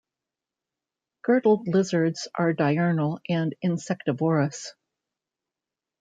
Girdled lizards are diurnal and insectivorous.